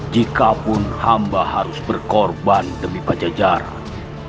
jikapun hamba harus berkorban demi pajajaran